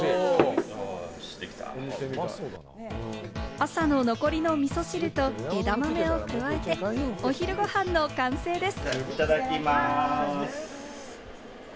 朝の残りのみそ汁と枝豆を加えて、お昼ご飯の完成です。